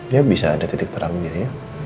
ya bisa ada titik terangnya ya